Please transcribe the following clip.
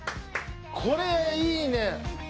これいいね。